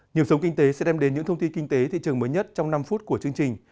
nhiều sống kinh tế sẽ đem đến những thông tin kinh tế thị trường mới nhất trong năm phút của chương trình